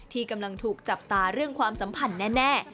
ที่กำลังถูกจับตาเรื่องความสัมพันธ์แน่